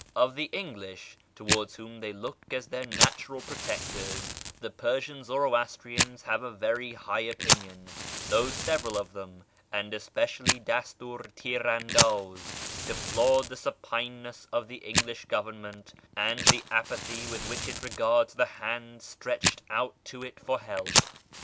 Of the English, towards whom they look as their natural protectors, the Persian Zoroastrians have a very high oj^inion, though several of them, and especially Dastiir Tir andaz, de Iplored the supineness of the English Government, and the ;i[)athy with which it regards the hands stretched out to it for help.